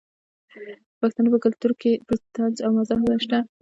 د پښتنو په کلتور کې د طنز او مزاح ځای شته.